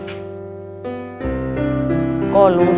เมื่อแต่อดีตชาติที่ประดำจะต้องมาชดใช้